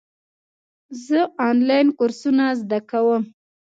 زه آنلاین کورسونه زده کوم.